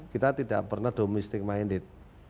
kita tidak pernah domestic minded